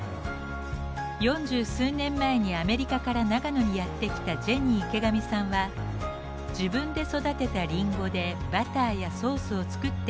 四十数年前にアメリカから長野にやって来たジェニー池上さんは自分で育てたリンゴでバターやソースを作って販売。